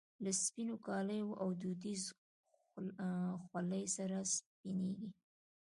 له سپینو کاليو او دودیزې خولۍ سره سپینږیری.